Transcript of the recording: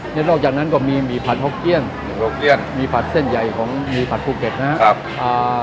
แล้วจากนั้นก็มีผัดฮกเกี้ยนมีผัดเส้นใหญ่ของหมูผัดภูเก็ตนะครับ